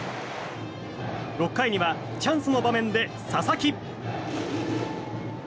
６回にはチャンスの場面で佐々木。